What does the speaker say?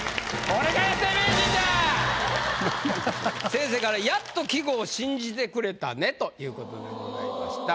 先生から「やっと季語を信じてくれたね」という事でございました。